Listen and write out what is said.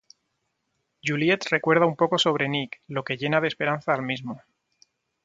Juliette recuerda un poco sobre Nick, lo que llena de esperanza al mismo.